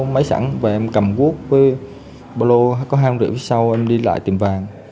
máy sẵn và em cầm cuốc với bộ lô có hàng rượu sau em đi lại tiệm vàng